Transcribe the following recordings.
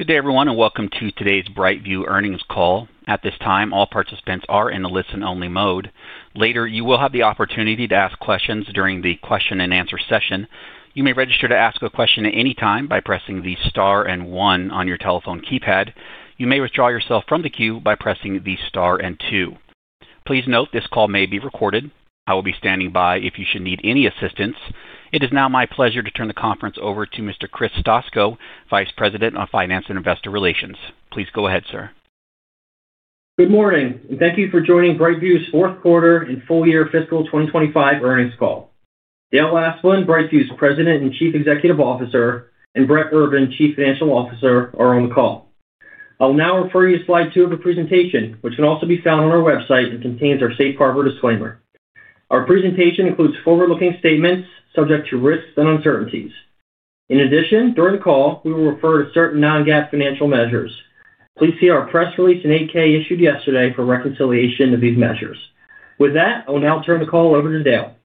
Good day, everyone, and welcome to today's BrightView earnings call. At this time, all participants are in a listen-only mode. Later, you will have the opportunity to ask questions during the question-and-answer session. You may register to ask a question at any time by pressing the star and one on your telephone keypad. You may withdraw yourself from the queue by pressing the star and two. Please note this call may be recorded. I will be standing by if you should need any assistance. It is now my pleasure to turn the conference over to Mr. Chris Stoczko, Vice President of Finance and Investor Relations. Please go ahead, sir. Good morning, and thank you for joining BrightView's fourth quarter and full-year fiscal 2025 earnings call. Dale Asplund, BrightView's President and Chief Executive Officer, and Brett Urban, Chief Financial Officer, are on the call. I'll now refer you to slide two of the presentation, which can also be found on our website and contains our safe harbor disclaimer. Our presentation includes forward-looking statements subject to risks and uncertainties. In addition, during the call, we will refer to certain non-GAAP financial measures. Please see our press release in 8-K issued yesterday for reconciliation of these measures. With that, I will now turn the call over to Dale.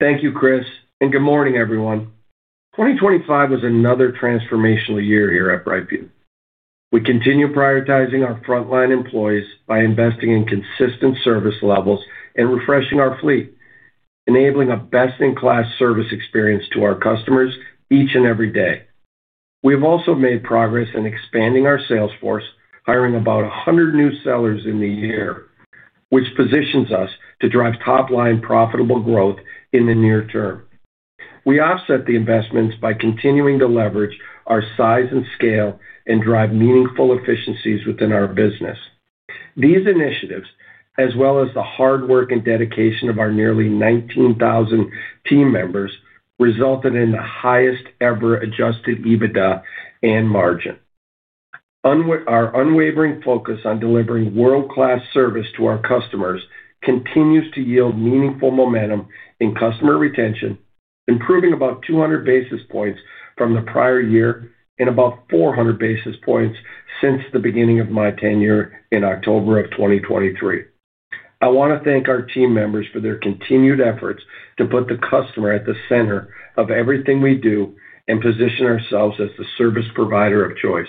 Thank you, Chris, and good morning, everyone. 2025 was another transformational year here at BrightView. We continue prioritizing our frontline employees by investing in consistent service levels and refreshing our fleet, enabling a best-in-class service experience to our customers each and every day. We have also made progress in expanding our sales force, hiring about 100 new sellers in the year, which positions us to drive top-line profitable growth in the near term. We offset the investments by continuing to leverage our size and scale and drive meaningful efficiencies within our business. These initiatives, as well as the hard work and dedication of our nearly 19,000 team members, resulted in the highest-ever Adjusted EBITDA and margin. Our unwavering focus on delivering world-class service to our customers continues to yield meaningful momentum in customer retention, improving about 200 basis points from the prior year and about 400 basis points since the beginning of my tenure in October of 2023. I want to thank our team members for their continued efforts to put the customer at the center of everything we do and position ourselves as the service provider of choice.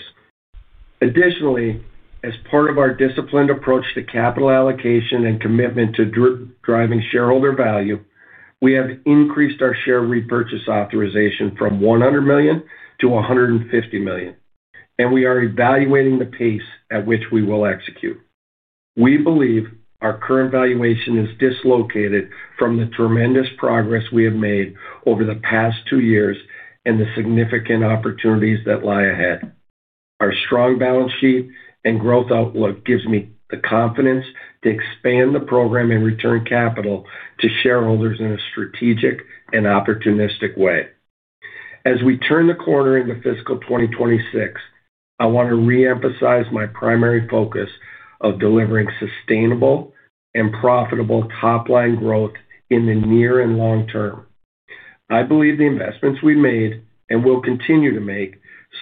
Additionally, as part of our disciplined approach to capital allocation and commitment to driving shareholder value, we have increased our share repurchase authorization from $100 million-$150 million, and we are evaluating the pace at which we will execute. We believe our current valuation is dislocated from the tremendous progress we have made over the past two years and the significant opportunities that lie ahead. Our strong balance sheet and growth outlook gives me the confidence to expand the program and return capital to shareholders in a strategic and opportunistic way. As we turn the corner into fiscal 2026, I want to reemphasize my primary focus of delivering sustainable and profitable top-line growth in the near and long term. I believe the investments we've made and will continue to make,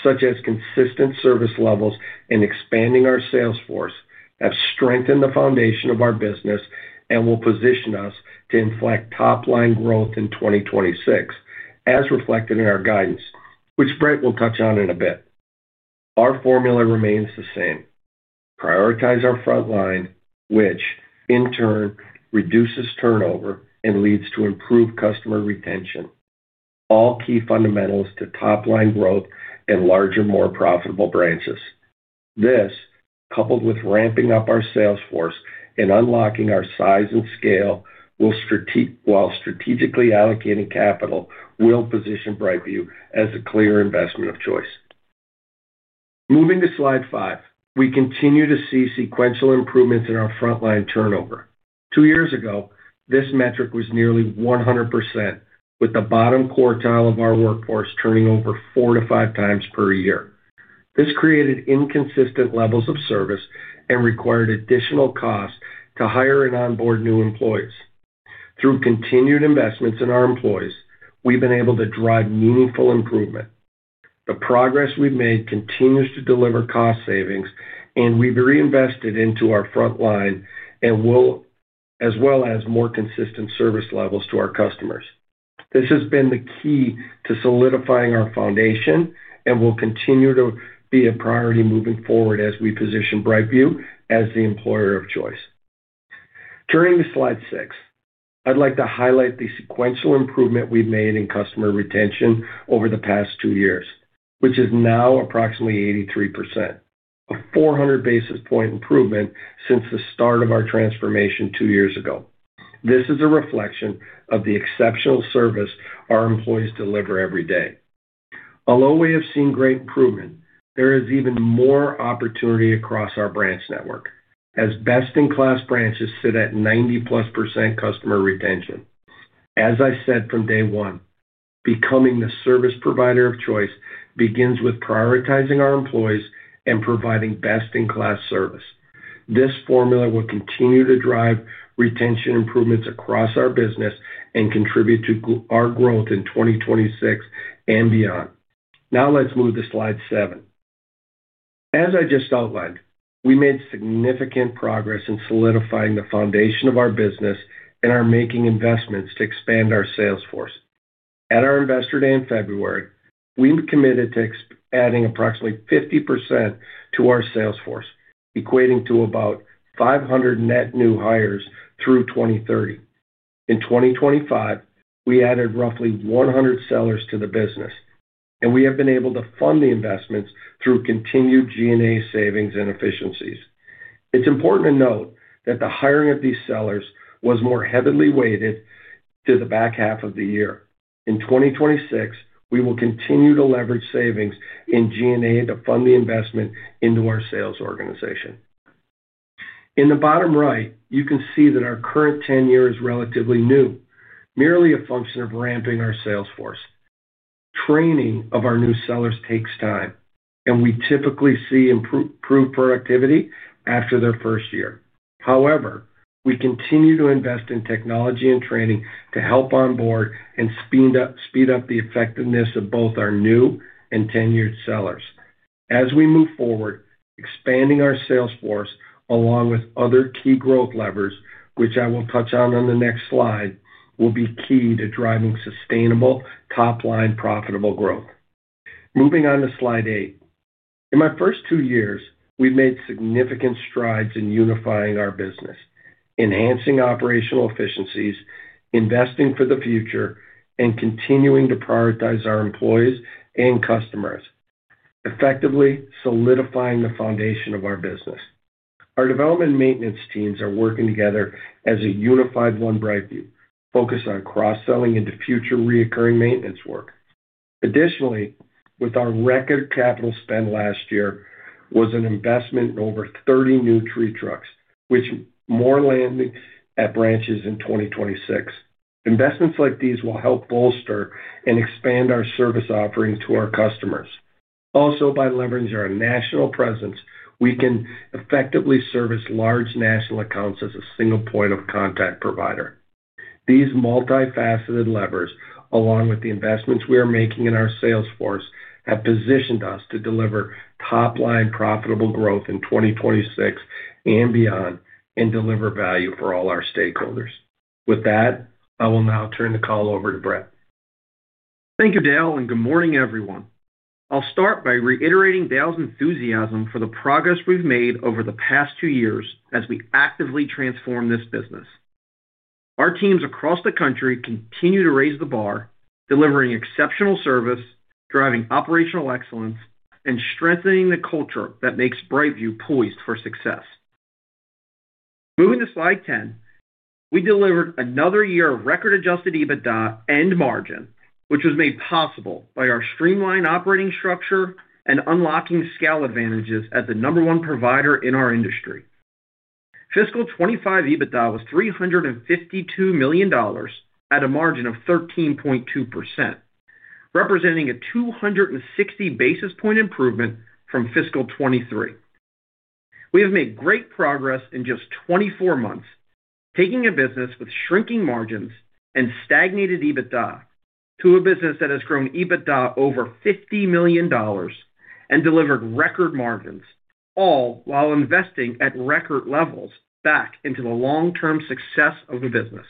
such as consistent service levels and expanding our sales force, have strengthened the foundation of our business and will position us to inflect top-line growth in 2026, as reflected in our guidance, which Brett will touch on in a bit. Our formula remains the same: prioritize our frontline, which in turn reduces turnover and leads to improved customer retention, all key fundamentals to top-line growth and larger, more profitable branches. This, coupled with ramping up our sales force and unlocking our size and scale, while strategically allocating capital, will position BrightView as a clear investment of choice. Moving to slide five, we continue to see sequential improvements in our frontline turnover. Two years ago, this metric was nearly 100%, with the bottom quartile of our workforce turning over 4x-5x per year. This created inconsistent levels of service and required additional costs to hire and onboard new employees. Through continued investments in our employees, we've been able to drive meaningful improvement. The progress we've made continues to deliver cost savings, and we've reinvested into our frontline and will, as well as more consistent service levels to our customers. This has been the key to solidifying our foundation and will continue to be a priority moving forward as we position BrightView as the employer of choice. Turning to slide six, I'd like to highlight the sequential improvement we've made in customer retention over the past two years, which is now approximately 83%, a 400 basis point improvement since the start of our transformation two years ago. This is a reflection of the exceptional service our employees deliver every day. Although we have seen great improvement, there is even more opportunity across our branch network, as best-in-class branches sit at 90%+ customer retention. As I said from day one, becoming the service provider of choice begins with prioritizing our employees and providing best-in-class service. This formula will continue to drive retention improvements across our business and contribute to our growth in 2026 and beyond. Now let's move to slide seven. As I just outlined, we made significant progress in solidifying the foundation of our business and are making investments to expand our sales force. At our investor day in February, we committed to adding approximately 50% to our sales force, equating to about 500 net new hires through 2030. In 2025, we added roughly 100 sellers to the business, and we have been able to fund the investments through continued G&A savings and efficiencies. It's important to note that the hiring of these sellers was more heavily weighted to the back half of the year. In 2026, we will continue to leverage savings in G&A to fund the investment into our sales organization. In the bottom right, you can see that our current tenure is relatively new, merely a function of ramping our sales force. Training of our new sellers takes time, and we typically see improved productivity after their first year. However, we continue to invest in technology and training to help onboard and speed up the effectiveness of both our new and tenured sellers. As we move forward, expanding our sales force along with other key growth levers, which I will touch on on the next slide, will be key to driving sustainable top-line profitable growth. Moving on to slide eight. In my first two years, we've made significant strides in unifying our business, enhancing operational efficiencies, investing for the future, and continuing to prioritize our employees and customers, effectively solidifying the foundation of our business. Our development maintenance teams are working together as a unified one BrightView, focused on cross-selling into future reoccurring maintenance work. Additionally, with our record capital spend last year, was an investment in over 30 new tree trucks, which more land at branches in 2026. Investments like these will help bolster and expand our service offering to our customers. Also, by leveraging our national presence, we can effectively service large national accounts as a single point of contact provider. These multifaceted levers, along with the investments we are making in our sales force, have positioned us to deliver top-line profitable growth in 2026 and beyond and deliver value for all our stakeholders. With that, I will now turn the call over to Brett. Thank you, Dale, and good morning, everyone. I'll start by reiterating Dale's enthusiasm for the progress we've made over the past two years as we actively transform this business. Our teams across the country continue to raise the bar, delivering exceptional service, driving operational excellence, and strengthening the culture that makes BrightView poised for success. Moving to slide 10, we delivered another year of record-adjusted EBITDA and margin, which was made possible by our streamlined operating structure and unlocking scale advantages as the number one provider in our industry. Fiscal 2025 EBITDA was $352 million at a margin of 13.2%, representing a 260 basis point improvement from fiscal 2023. We have made great progress in just 24 months, taking a business with shrinking margins and stagnated EBITDA to a business that has grown EBITDA over $50 million and delivered record margins, all while investing at record levels back into the long-term success of the business.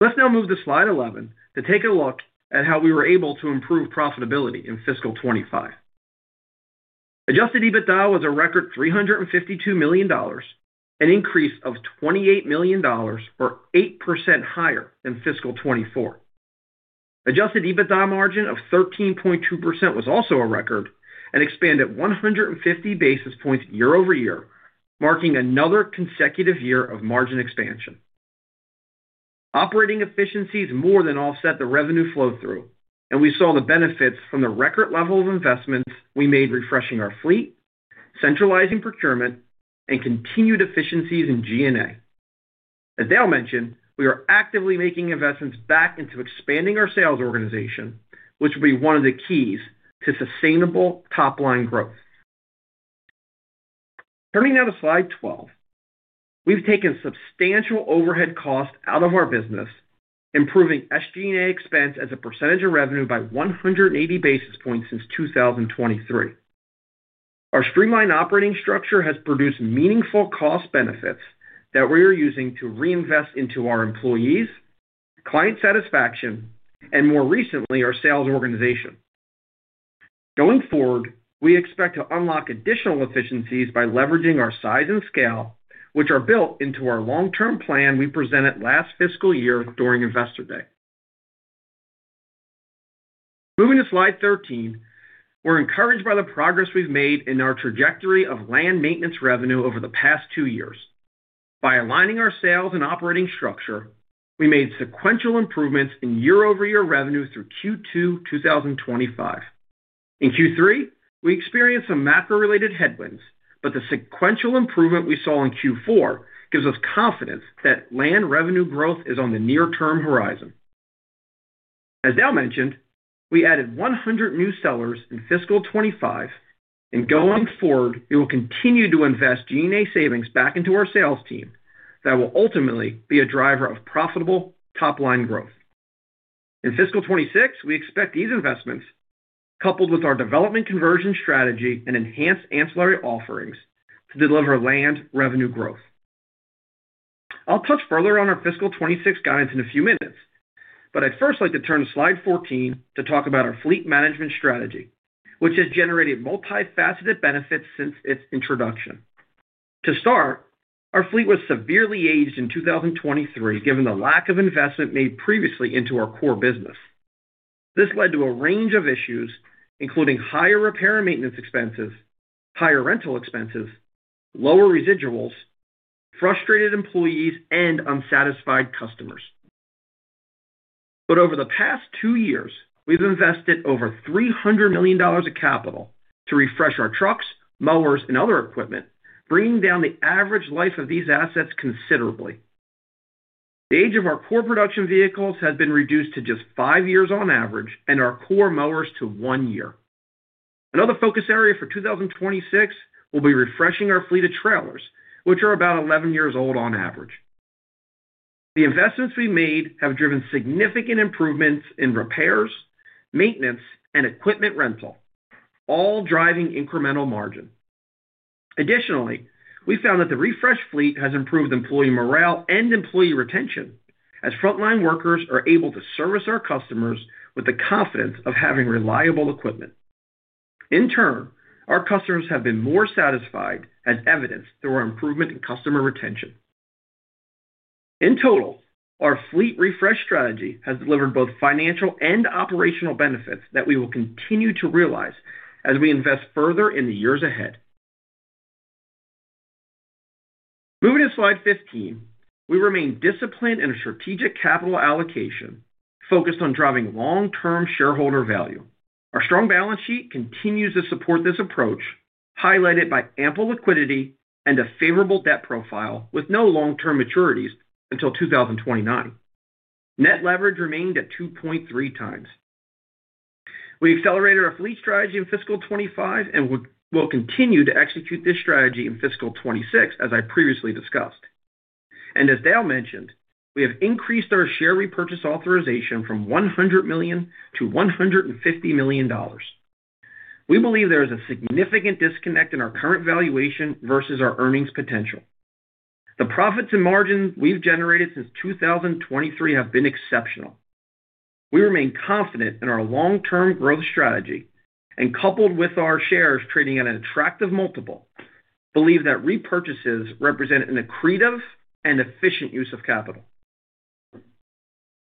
Let's now move to slide eleven to take a look at how we were able to improve profitability in fiscal 2025. Adjusted EBITDA was a record $352 million, an increase of $28 million, or 8% higher than fiscal 2024. Adjusted EBITDA margin of 13.2% was also a record and expanded 150 basis points year-over-year, marking another consecutive year of margin expansion. Operating efficiencies more than offset the revenue flow-through, and we saw the benefits from the record level of investments we made refreshing our fleet, centralizing procurement, and continued efficiencies in G&A. As Dale mentioned, we are actively making investments back into expanding our sales organization, which will be one of the keys to sustainable top-line growth. Turning now to slide 12, we have taken substantial overhead costs out of our business, improving SG&A expense as a percentage of revenue by 180 basis points since 2023. Our streamlined operating structure has produced meaningful cost benefits that we are using to reinvest into our employees, client satisfaction, and more recently, our sales organization. Going forward, we expect to unlock additional efficiencies by leveraging our size and scale, which are built into our long-term plan we presented last fiscal year during investor day. Moving to slide 13, we're encouraged by the progress we've made in our trajectory of land maintenance revenue over the past two years. By aligning our sales and operating structure, we made sequential improvements in year-over-year revenue through Q2 2025. In Q3, we experienced some macro-related headwinds, but the sequential improvement we saw in Q4 gives us confidence that land revenue growth is on the near-term horizon. As Dale mentioned, we added 100 new sellers in fiscal 2025, and going forward, we will continue to invest G&A savings back into our sales team that will ultimately be a driver of profitable top-line growth. In fiscal 2026, we expect these investments, coupled with our development conversion strategy and enhanced ancillary offerings, to deliver land revenue growth. I'll touch further on our fiscal 2026 guidance in a few minutes, but I'd first like to turn to slide 14 to talk about our fleet management strategy, which has generated multifaceted benefits since its introduction. To start, our fleet was severely aged in 2023, given the lack of investment made previously into our core business. This led to a range of issues, including higher repair and maintenance expenses, higher rental expenses, lower residuals, frustrated employees, and unsatisfied customers. Over the past two years, we've invested over $300 million of capital to refresh our trucks, mowers, and other equipment, bringing down the average life of these assets considerably. The age of our core production vehicles has been reduced to just five years on average, and our core mowers to one year. Another focus area for 2026 will be refreshing our fleet of trailers, which are about 11 years old on average. The investments we made have driven significant improvements in repairs, maintenance, and equipment rental, all driving incremental margin. Additionally, we found that the refreshed fleet has improved employee morale and employee retention, as frontline workers are able to service our customers with the confidence of having reliable equipment. In turn, our customers have been more satisfied, as evidenced through our improvement in customer retention. In total, our fleet refresh strategy has delivered both financial and operational benefits that we will continue to realize as we invest further in the years ahead. Moving to slide 15, we remain disciplined in our strategic capital allocation, focused on driving long-term shareholder value. Our strong balance sheet continues to support this approach, highlighted by ample liquidity and a favorable debt profile with no long-term maturities until 2029. Net leverage remained at 2.3x. We accelerated our fleet strategy in fiscal 2025 and will continue to execute this strategy in fiscal 2026, as I previously discussed. As Dale mentioned, we have increased our share repurchase authorization from $100 million-$150 million. We believe there is a significant disconnect in our current valuation versus our earnings potential. The profits and margins we've generated since 2023 have been exceptional. We remain confident in our long-term growth strategy, and coupled with our shares trading at an attractive multiple, believe that repurchases represent an accretive and efficient use of capital.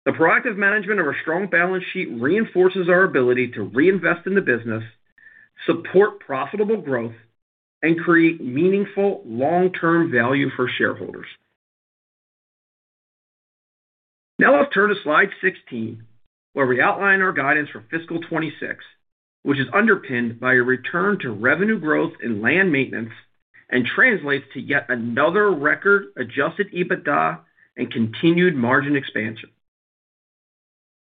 The proactive management of our strong balance sheet reinforces our ability to reinvest in the business, support profitable growth, and create meaningful long-term value for shareholders. Now let's turn to slide 16, where we outline our guidance for fiscal 2026, which is underpinned by a return to revenue growth in land maintenance and translates to yet another record-Adjusted EBITDA and continued margin expansion.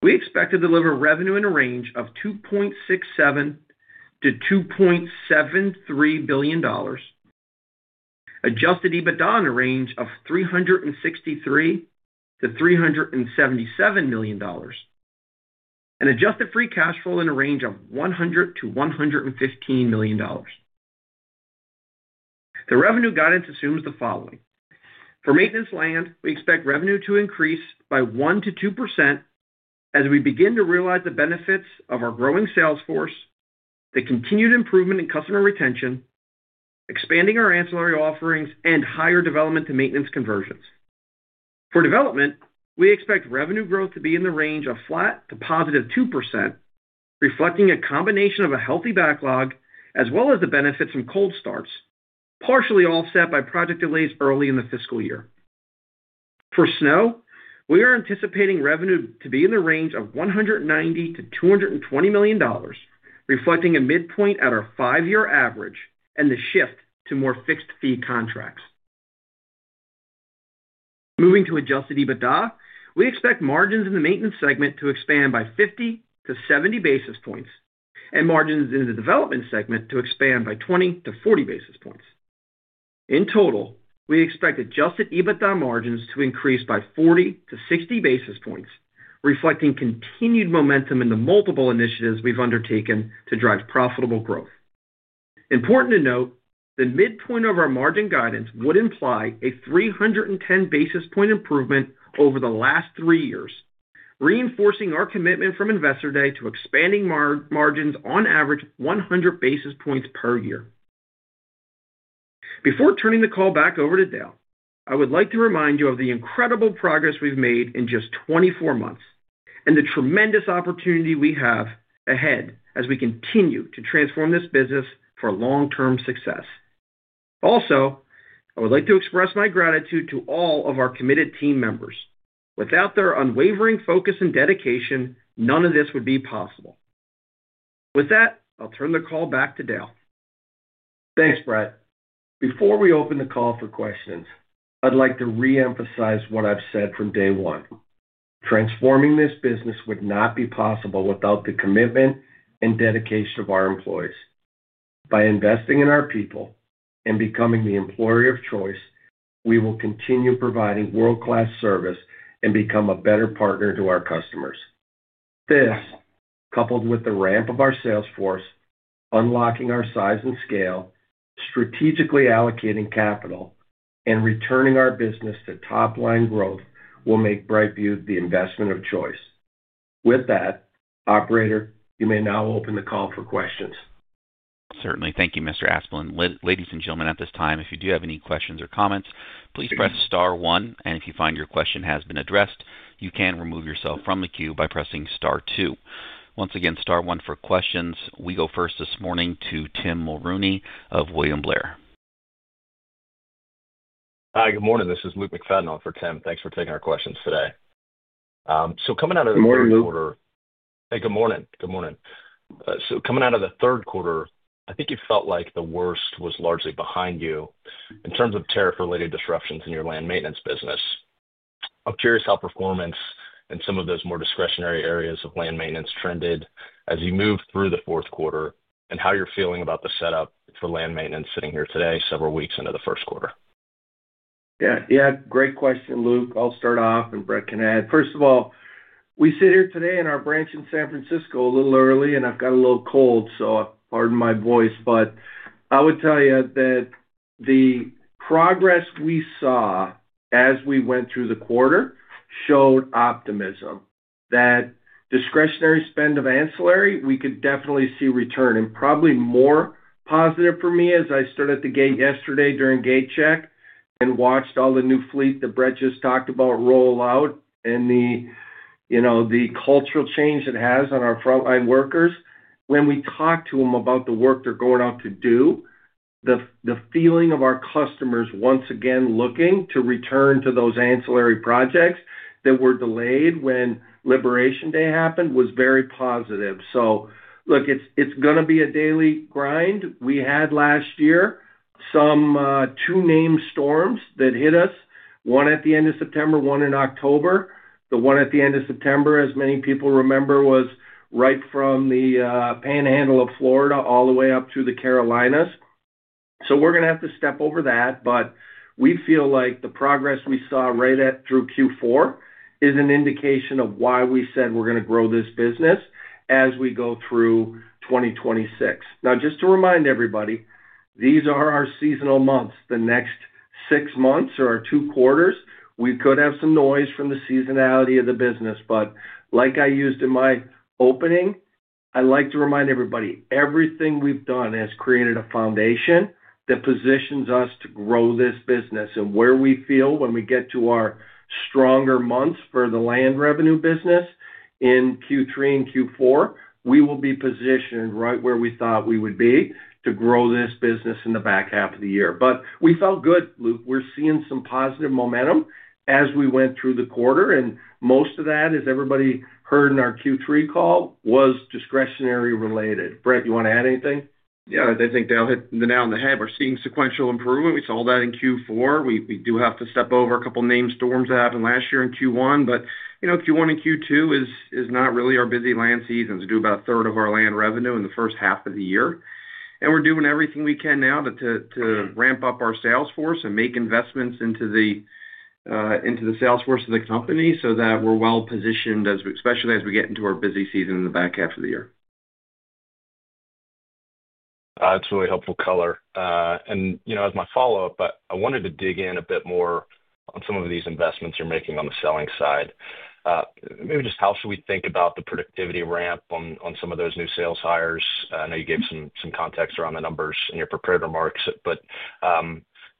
We expect to deliver revenue in a range of $2.67 billion-$2.73 billion, Adjusted EBITDA in a range of $363 million-$377 million, and Adjusted free cash flow in a range of $100 million-$115 million. The revenue guidance assumes the following. For maintenance land, we expect revenue to increase by 1%-2% as we begin to realize the benefits of our growing sales force, the continued improvement in customer retention, expanding our ancillary offerings, and higher development to maintenance conversions. For development, we expect revenue growth to be in the range of flat to +2%, reflecting a combination of a healthy backlog as well as the benefits from cold starts, partially offset by project delays early in the fiscal year. For snow, we are anticipating revenue to be in the range of $190million-$220 million, reflecting a midpoint at our five-year average and the shift to more fixed fee contracts. Moving to Adjusted EBITDA, we expect margins in the maintenance segment to expand by 50-70 basis points and margins in the development segment to expand by 20-40 basis points. In total, we expect Adjusted EBITDA margins to increase by 40-60 basis points, reflecting continued momentum in the multiple initiatives we have undertaken to drive profitable growth. Important to note, the midpoint of our margin guidance would imply a 310 basis point improvement over the last three years, reinforcing our commitment from investor day to expanding margins on average 100 basis points per year. Before turning the call back over to Dale, I would like to remind you of the incredible progress we've made in just 24 months and the tremendous opportunity we have ahead as we continue to transform this business for long-term success. Also, I would like to express my gratitude to all of our committed team members. Without their unwavering focus and dedication, none of this would be possible. With that, I'll turn the call back to Dale. Thanks, Brett. Before we open the call for questions, I'd like to reemphasize what I've said from day one. Transforming this business would not be possible without the commitment and dedication of our employees. By investing in our people and becoming the employer of choice, we will continue providing world-class service and become a better partner to our customers. This, coupled with the ramp of our sales force, unlocking our size and scale, strategically allocating capital, and returning our business to top-line growth will make BrightView the investment of choice. With that, Operator, you may now open the call for questions. Certainly. Thank you, Mr. Asplund. Ladies and gentlemen, at this time, if you do have any questions or comments, please press star one. If you find your question has been addressed, you can remove yourself from the queue by pressing star two. Once again, star one for questions. We go first this morning to Tim Mulrooney of William Blair. Hi, good morning. This is Luke McFadden in for Tim. Thanks for taking our questions today. Coming out of the third quarter, good morning. Hey, good morning. Good morning. Coming out of the third quarter, I think you felt like the worst was largely behind you in terms of tariff-related disruptions in your land maintenance business. I'm curious how performance and some of those more discretionary areas of land maintenance trended as you move through the fourth quarter and how you're feeling about the setup for land maintenance sitting here today several weeks into the first quarter. Yeah. Yeah. Great question, Luke. I'll start off, and Brett can add. First of all, we sit here today in our branch in San Francisco a little early, and I've got a little cold, so pardon my voice.I would tell you that the progress we saw as we went through the quarter showed optimism that discretionary spend of ancillary, we could definitely see return and probably more positive for me as I stood at the gate yesterday during gate check and watched all the new fleet that Brett just talked about roll out and the cultural change it has on our frontline workers. When we talked to them about the work they're going out to do, the feeling of our customers once again looking to return to those ancillary projects that were delayed when liberation day happened was very positive. Look, it's going to be a daily grind. We had last year some two named storms that hit us, one at the end of September, one in October. The one at the end of September, as many people remember, was right from the panhandle of Florida all the way up through the Carolinas. We are going to have to step over that. We feel like the progress we saw right through Q4 is an indication of why we said we are going to grow this business as we go through 2026. Now, just to remind everybody, these are our seasonal months. The next six months are our two quarters. We could have some noise from the seasonality of the business. Like I used in my opening, I would like to remind everybody, everything we have done has created a foundation that positions us to grow this business. Where we feel when we get to our stronger months for the land revenue business in Q3 and Q4, we will be positioned right where we thought we would be to grow this business in the back half of the year. We felt good, Luke. We're seeing some positive momentum as we went through the quarter. Most of that, as everybody heard in our Q3 call, was discretionary related. Brett, you want to add anything? Yeah. I think Dale hit the nail on the head. We're seeing sequential improvement. We saw that in Q4. We do have to step over a couple of named storms that happened last year in Q1. Q1 and Q2 is not really our busy land season. We do about a third of our land revenue in the first half of the year. We're doing everything we can now to ramp up our sales force and make investments into the sales force of the company so that we're well positioned, especially as we get into our busy season in the back half of the year. That's really helpful color. As my follow-up, I wanted to dig in a bit more on some of these investments you're making on the selling side. Maybe just how should we think about the productivity ramp on some of those new sales hires? I know you gave some context around the numbers in your prepared remarks, but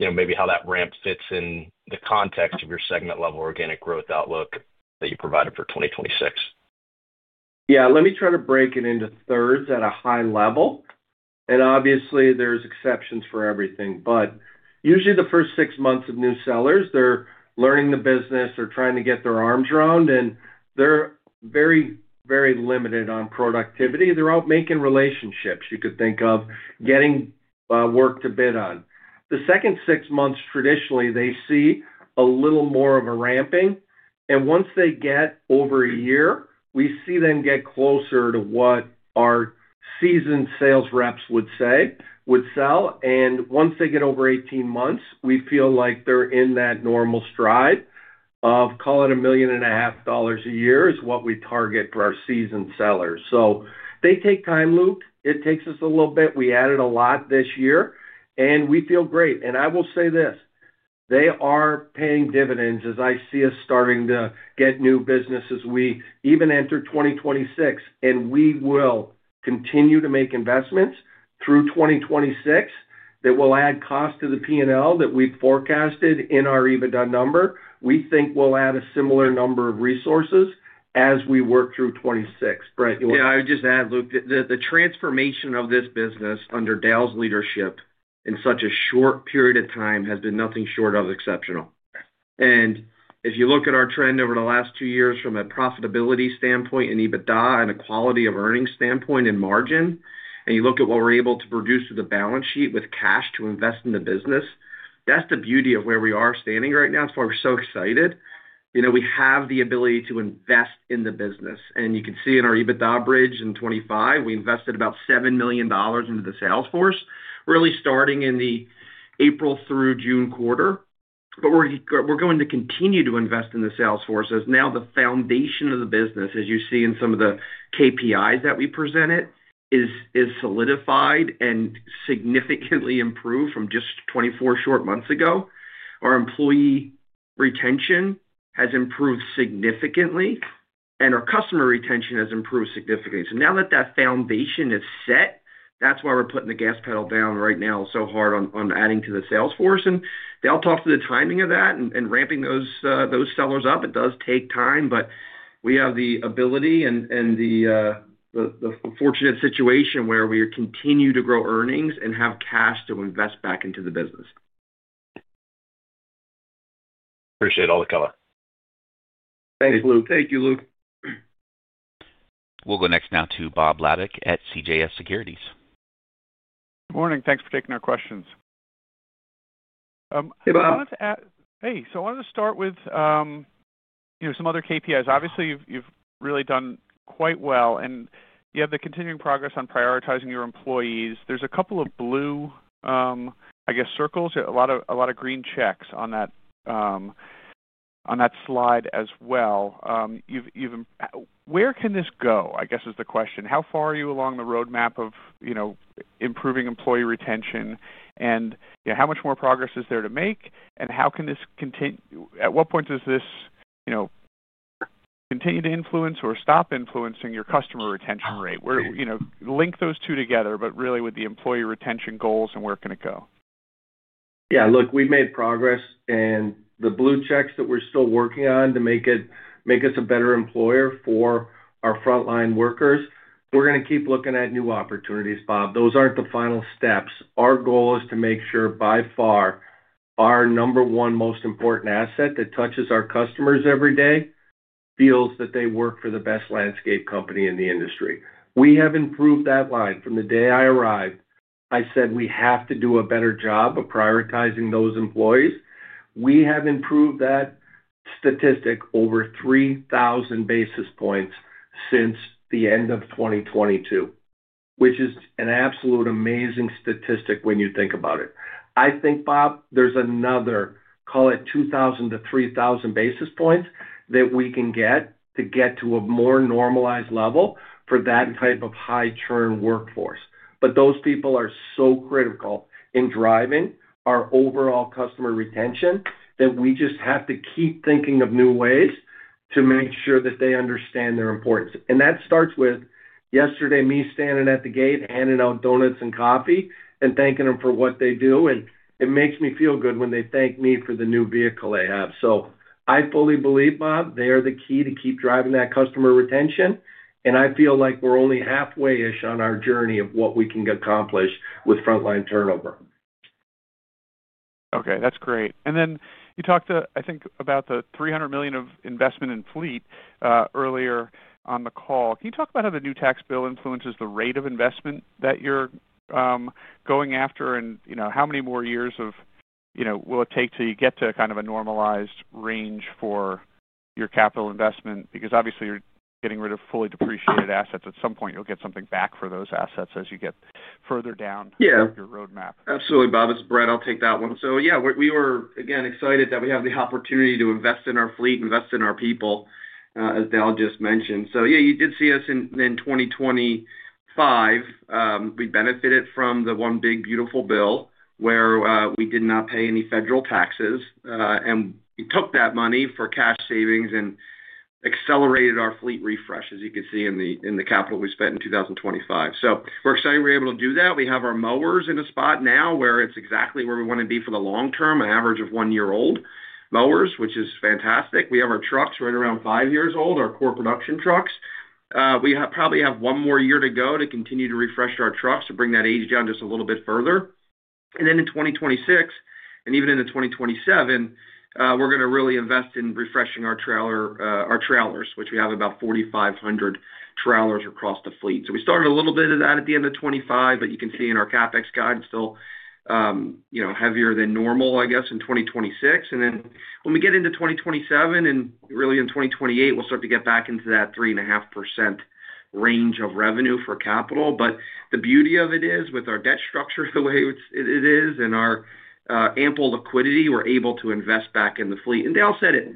maybe how that ramp fits in the context of your segment-level organic growth outlook that you provided for 2026. Yeah. Let me try to break it into thirds at a high level. Obviously, there's exceptions for everything. Usually, the first six months of new sellers, they're learning the business. They're trying to get their arms around, and they're very, very limited on productivity. They're out making relationships you could think of getting work to bid on. The second six months, traditionally, they see a little more of a ramping. Once they get over a year, we see them get closer to what our seasoned sales reps would sell. Once they get over 18 months, we feel like they're in that normal stride of, call it $1.5 million a year is what we target for our seasoned sellers. They take time, Luke. It takes us a little bit. We added a lot this year, and we feel great. I will say this: they are paying dividends, as I see us starting to get new business as we even enter 2026. We will continue to make investments through 2026 that will add cost to the P&L that we've forecasted in our EBITDA number. We think we'll add a similar number of resources as we work through 2026. Brett, you want to? Yeah. I would just add, Luke, that the transformation of this business under Dale's leadership in such a short period of time has been nothing short of exceptional. If you look at our trend over the last two years from a profitability standpoint and EBITDA and a quality of earnings standpoint and margin, and you look at what we're able to produce through the balance sheet with cash to invest in the business, that's the beauty of where we are standing right now. That's why we're so excited. We have the ability to invest in the business. You can see in our EBITDA bridge in 2025, we invested about $7 million into the sales force, really starting in the April through June quarter. We're going to continue to invest in the sales force as now the foundation of the business, as you see in some of the KPIs that we presented, is solidified and significantly improved from just 24 short months ago. Our employee retention has improved significantly, and our customer retention has improved significantly. Now that that foundation is set, that's why we're putting the gas pedal down right now so hard on adding to the sales force. They'll talk to the timing of that and ramping those sellers up. It does take time, but we have the ability and the fortunate situation where we continue to grow earnings and have cash to invest back into the business. Appreciate all the color. Thanks, Luke. Thank you, Luke. We'll go next now to Bob Labick at CJS Securities. Good morning. Thanks for taking our questions. Hey, Bob. Hey. I wanted to start with some other KPIs. Obviously, you've really done quite well, and you have the continuing progress on prioritizing your employees. There's a couple of blue, I guess, circles, a lot of green checks on that slide as well. Where can this go, I guess, is the question. How far are you along the roadmap of improving employee retention, and how much more progress is there to make, and how can this continue? At what point does this continue to influence or stop influencing your customer retention rate? Link those two together, but really with the employee retention goals and where can it go? Yeah. Look, we've made progress, and the blue checks that we're still working on to make us a better employer for our frontline workers, we're going to keep looking at new opportunities, Bob. Those aren't the final steps. Our goal is to make sure by far our number one most important asset that touches our customers every day feels that they work for the best landscape company in the industry. We have improved that line. From the day I arrived, I said, we have to do a better job of prioritizing those employees. We have improved that statistic over 3,000 basis points since the end of 2022, which is an absolute amazing statistic when you think about it. I think, Bob, there's another, call it 2,000-3,000 basis points that we can get to get to a more normalized level for that type of high-turn workforce. Those people are so critical in driving our overall customer retention that we just have to keep thinking of new ways to make sure that they understand their importance. That starts with yesterday, me standing at the gate handing out donuts and coffee and thanking them for what they do. It makes me feel good when they thank me for the new vehicle they have. I fully believe, Bob, they are the key to keep driving that customer retention. I feel like we're only halfway-ish on our journey of what we can accomplish with frontline turnover. Okay. That's great. You talked, I think, about the $300 million of investment in fleet earlier on the call. Can you talk about how the new tax bill influences the rate of investment that you're going after, and how many more years will it take to get to kind of a normalized range for your capital investment? Because obviously, you're getting rid of fully depreciated assets. At some point, you'll get something back for those assets as you get further down your roadmap. Yeah. Absolutely, Bob. That's Brett, I'll take that one. Yeah, we were, again, excited that we have the opportunity to invest in our fleet, invest in our people, as Dale just mentioned. You did see us in 2025. We benefited from the one big beautiful bill where we did not pay any federal taxes, and we took that money for cash savings and accelerated our fleet refresh, as you could see in the capital we spent in 2025. We are excited we were able to do that. We have our mowers in a spot now where it is exactly where we want to be for the long term, an average of one-year-old mowers, which is fantastic. We have our trucks right around five years old, our core production trucks. We probably have one more year to go to continue to refresh our trucks to bring that age down just a little bit further. In 2026, and even in 2027, we are going to really invest in refreshing our trailers, which we have about 4,500 trailers across the fleet. We started a little bit of that at the end of 2025, but you can see in our CapEx guide, still heavier than normal, I guess, in 2026. When we get into 2027, and really in 2028, we'll start to get back into that 3.5% range of revenue for capital. The beauty of it is, with our debt structure the way it is and our ample liquidity, we're able to invest back in the fleet. Dale said it.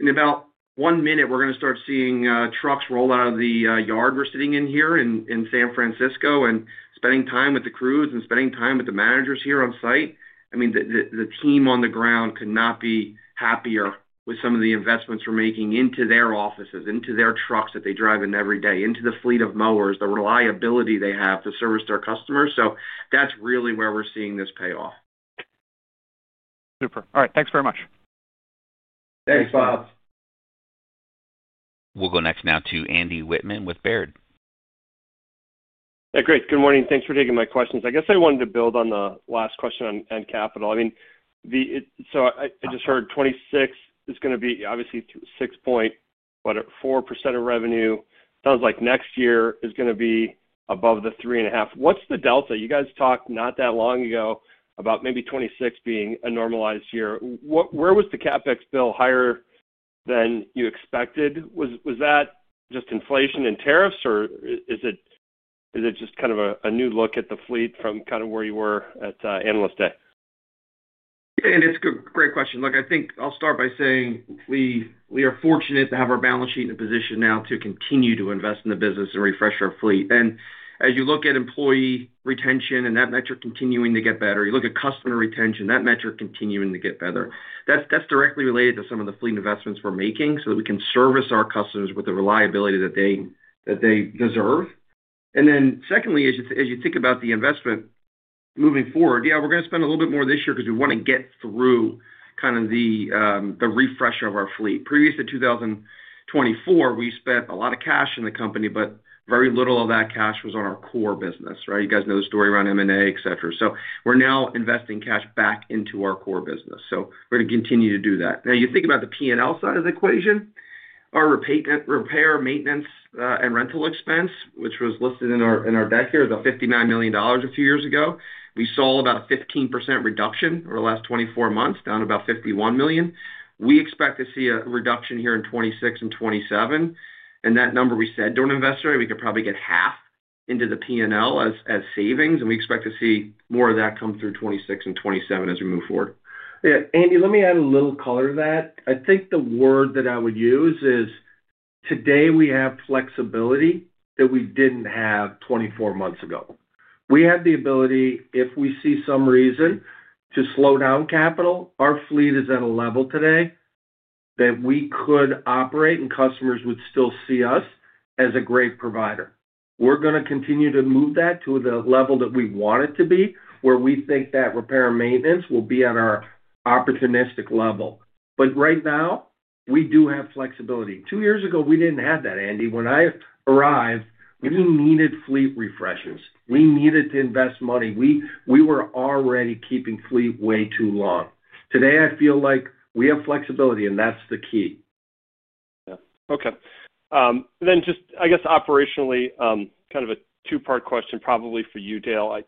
In about one minute, we're going to start seeing trucks roll out of the yard we're sitting in here in San Francisco and spending time with the crews and spending time with the managers here on site. I mean, the team on the ground could not be happier with some of the investments we're making into their offices, into their trucks that they drive in every day, into the fleet of mowers, the reliability they have to service their customers. That's really where we're seeing this pay off. Super. All right. Thanks very much. Thanks, Bob. We'll go next now to Andy Wittman with Baird. Hey, Chris. Good morning. Thanks for taking my questions. I guess I wanted to build on the last question on capital. I mean, I just heard 2026 is going to be obviously 6.4% of revenue. Sounds like next year is going to be above the 3.5%. What's the delta? You guys talked not that long ago about maybe 2026 being a normalized year. Where was the CapEx bill higher than you expected? Was that just inflation and tariffs, or is it just kind of a new look at the fleet from kind of where you were at analyst day? Yeah. It's a great question. Look, I think I'll start by saying we are fortunate to have our balance sheet in a position now to continue to invest in the business and refresh our fleet. As you look at employee retention and that metric continuing to get better, you look at customer retention, that metric continuing to get better. That's directly related to some of the fleet investments we're making so that we can service our customers with the reliability that they deserve. Secondly, as you think about the investment moving forward, yeah, we're going to spend a little bit more this year because we want to get through kind of the refresh of our fleet. Previous to 2024, we spent a lot of cash in the company, but very little of that cash was on our core business, right? You guys know the story around M&A, etc. We are now investing cash back into our core business. We are going to continue to do that. Now, you think about the P&L side of the equation, our repair, maintenance, and rental expense, which was listed in our deck here as $59 million a few years ago. We saw about a 15% reduction over the last 24 months, down about $51 million. We expect to see a reduction here in 2026 and 2027. That number we said to an investor, we could probably get half into the P&L as savings, and we expect to see more of that come through 2026 and 2027 as we move forward. Yeah. Andy, let me add a little color to that. I think the word that I would use is, today, we have flexibility that we did not have 24 months ago. We have the ability, if we see some reason, to slow down capital. Our fleet is at a level today that we could operate, and customers would still see us as a great provider. We are going to continue to move that to the level that we want it to be, where we think that repair and maintenance will be at our opportunistic level. Right now, we do have flexibility. Two years ago, we did not have that, Andy. When I arrived, we needed fleet refreshers. We needed to invest money. We were already keeping fleet way too long. Today, I feel like we have flexibility, and that is the key. Yeah. Okay. I guess, operationally, kind of a two-part question probably for you, Dale.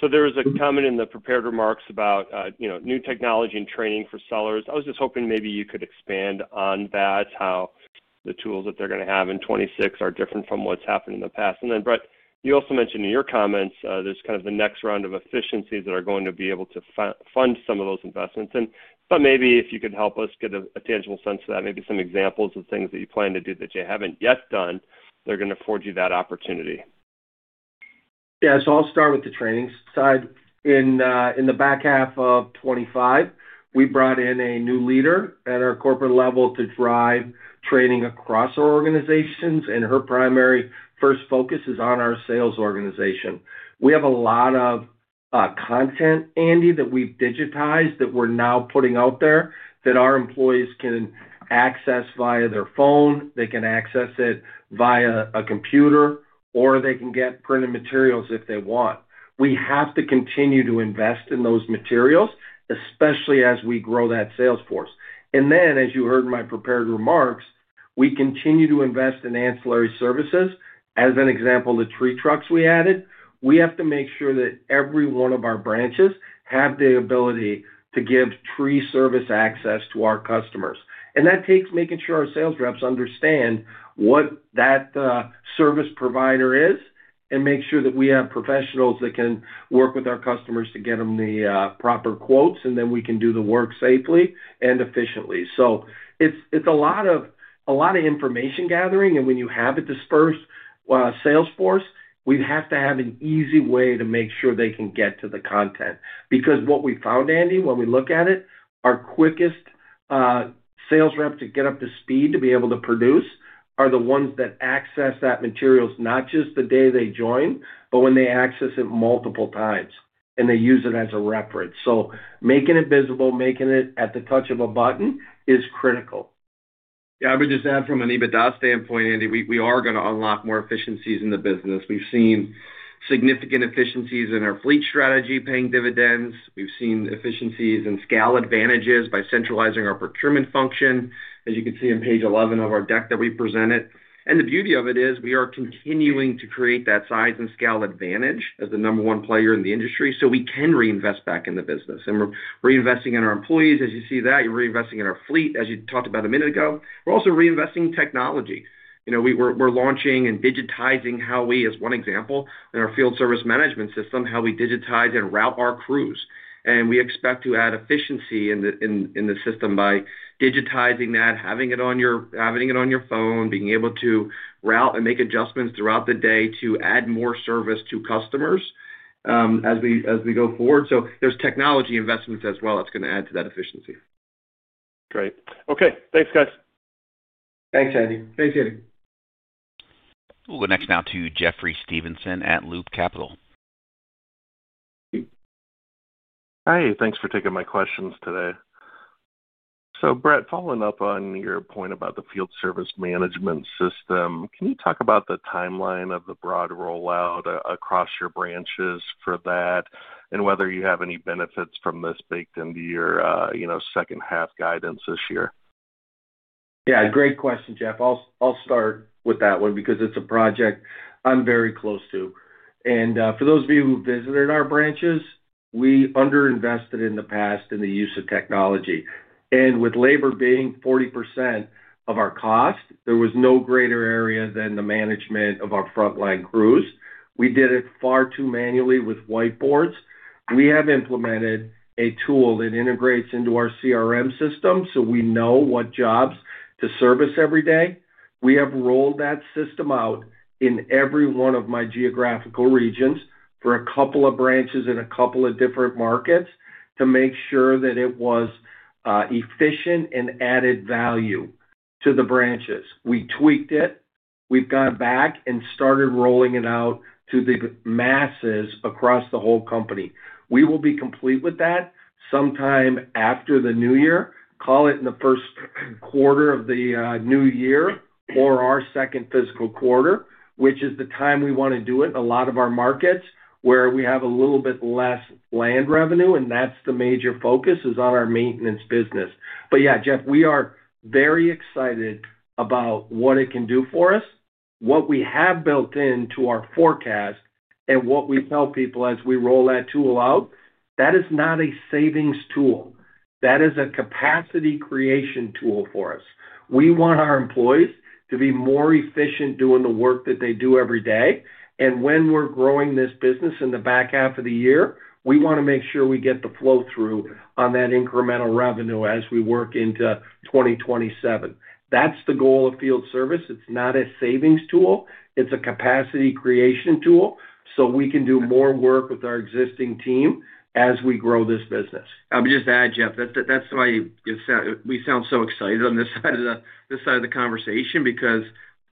There was a comment in the prepared remarks about new technology and training for sellers. I was just hoping maybe you could expand on that, how the tools that they're going to have in 2026 are different from what's happened in the past. Brett, you also mentioned in your comments there's kind of the next round of efficiencies that are going to be able to fund some of those investments. Maybe if you could help us get a tangible sense of that, maybe some examples of things that you plan to do that you haven't yet done they're going to afford you that opportunity. Yeah. I'll start with the training side. In the back half of 2025, we brought in a new leader at our corporate level to drive training across our organizations, and her primary first focus is on our sales organization. We have a lot of content, Andy, that we've digitized that we're now putting out there that our employees can access via their phone. They can access it via a computer, or they can get printed materials if they want. We have to continue to invest in those materials, especially as we grow that sales force. As you heard in my prepared remarks, we continue to invest in ancillary services. As an example, the tree trucks we added, we have to make sure that every one of our branches have the ability to give tree service access to our customers. That takes making sure our sales reps understand what that service provider is and make sure that we have professionals that can work with our customers to get them the proper quotes, and then we can do the work safely and efficiently. It is a lot of information gathering, and when you have a dispersed sales force, we have to have an easy way to make sure they can get to the content. Because what we found, Andy, when we look at it, our quickest sales rep to get up to speed to be able to produce are the ones that access that materials, not just the day they join, but when they access it multiple times, and they use it as a reference. Making it visible, making it at the touch of a button is critical. Yeah. I would just add from an EBITDA standpoint, Andy, we are going to unlock more efficiencies in the business. We've seen significant efficiencies in our fleet strategy paying dividends. We've seen efficiencies in scale advantages by centralizing our procurement function, as you can see on page 11 of our deck that we presented. The beauty of it is we are continuing to create that size and scale advantage as the number one player in the industry so we can reinvest back in the business. We're reinvesting in our employees. As you see that, you're reinvesting in our fleet, as you talked about a minute ago. We're also reinvesting in technology. We're launching and digitizing how we, as one example, in our field service management system, how we digitize and route our crews. We expect to add efficiency in the system by digitizing that, having it on your phone, being able to route and make adjustments throughout the day to add more service to customers as we go forward. There are technology investments as well that are going to add to that efficiency. Great. Okay. Thanks, guys. Thanks, Andy. Thanks, Andy. We'll go next now to Jeffrey Stevenson at Loop Capital. Hi. Thanks for taking my questions today. Brett, following up on your point about the field service management system, can you talk about the timeline of the broad rollout across your branches for that and whether you have any benefits from this baked into your second half guidance this year? Yeah. Great question, Jeff. I'll start with that one because it's a project I'm very close to. For those of you who visited our branches, we underinvested in the past in the use of technology. With labor being 40% of our cost, there was no greater area than the management of our frontline crews. We did it far too manually with whiteboards. We have implemented a tool that integrates into our CRM system so we know what jobs to service every day. We have rolled that system out in every one of my geographical regions for a couple of branches in a couple of different markets to make sure that it was efficient and added value to the branches. We tweaked it. We've gone back and started rolling it out to the masses across the whole company. We will be complete with that sometime after the new year, call it in the first quarter of the new year or our second fiscal quarter, which is the time we want to do it in a lot of our markets where we have a little bit less land revenue, and that is the major focus is on our maintenance business. Yeah, Jeff, we are very excited about what it can do for us, what we have built into our forecast, and what we tell people as we roll that tool out. That is not a savings tool. That is a capacity creation tool for us. We want our employees to be more efficient doing the work that they do every day. When we're growing this business in the back half of the year, we want to make sure we get the flow through on that incremental revenue as we work into 2027. That is the goal of field service. It is not a savings tool. It is a capacity creation tool so we can do more work with our existing team as we grow this business. I would just add, Jeff, that is why we sound so excited on this side of the conversation because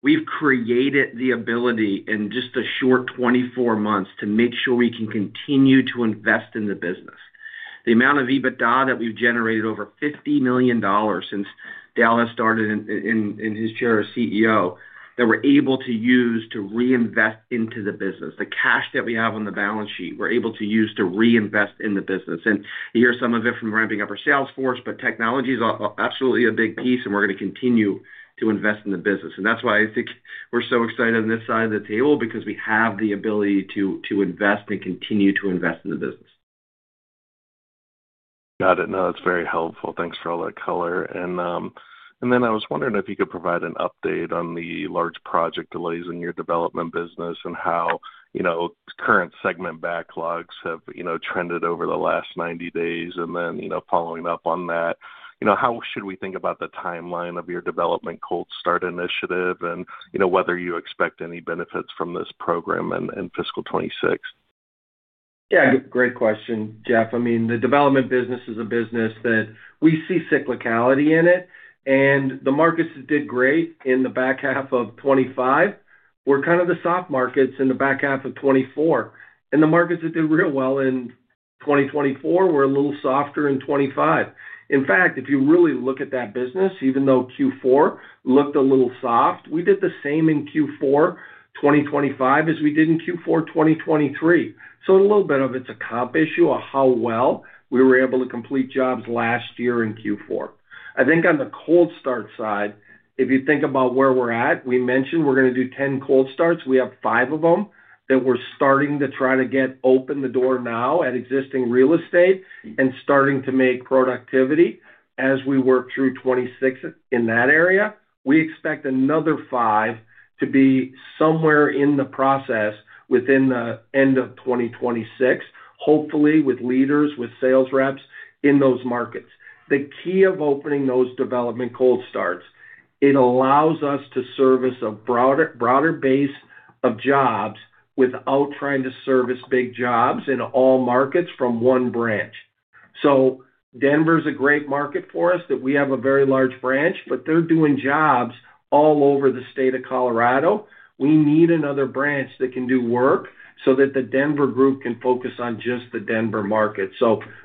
we have created the ability in just a short 24 months to make sure we can continue to invest in the business. The amount of EBITDA that we have generated, over $50 million since Dale has started in his chair as CEO, that we are able to use to reinvest into the business. The cash that we have on the balance sheet, we are able to use to reinvest in the business. Here's some of it from ramping up our sales force, but technology is absolutely a big piece, and we're going to continue to invest in the business. That is why I think we're so excited on this side of the table because we have the ability to invest and continue to invest in the business. Got it. No, that's very helpful. Thanks for all that color. I was wondering if you could provide an update on the large project delays in your development business and how current segment backlogs have trended over the last 90 days. Following up on that, how should we think about the timeline of your development cold start initiative and whether you expect any benefits from this program in fiscal 2026? Yeah. Great question, Jeff. I mean, the development business is a business that we see cyclicality in it. The markets that did great in the back half of 2025 were kind of the soft markets in the back half of 2024. The markets that did real well in 2024 were a little softer in 2025. In fact, if you really look at that business, even though Q4 looked a little soft, we did the same in Q4 2025 as we did in Q4 2023. A little bit of it is a comp issue of how well we were able to complete jobs last year in Q4. I think on the cold start side, if you think about where we're at, we mentioned we're going to do 10 cold starts. We have five of them that we're starting to try to get open the door now at existing real estate and starting to make productivity as we work through 2026 in that area. We expect another five to be somewhere in the process within the end of 2026, hopefully with leaders, with sales reps in those markets. The key of opening those development cold starts, it allows us to service a broader base of jobs without trying to service big jobs in all markets from one branch. Denver is a great market for us that we have a very large branch, but they're doing jobs all over the state of Colorado. We need another branch that can do work so that the Denver group can focus on just the Denver market.